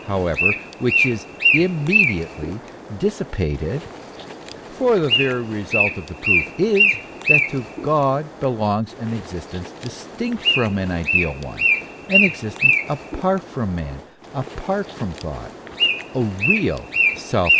however which is immediately dissipated ; for the very result of the proof is, that to God belongs an existence distinct from an ideal one, an existence apart from man, apart from thought, a real self existence.